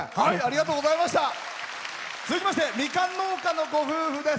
続きまして、みかん農家のご夫婦です。